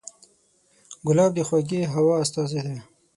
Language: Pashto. ګلاب د خوږې هوا استازی دی.